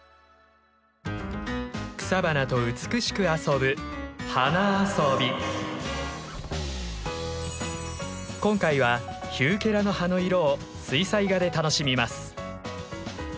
草花と美しく遊ぶ今回はヒューケラの葉の色を水彩画で楽しみます。